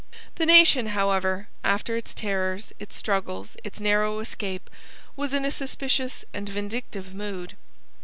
The nation, however, after its terrors, its struggles, its narrow escape, was in a suspicious and vindictive mood.